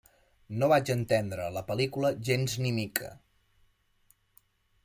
No vaig entendre la pel·lícula gens ni mica.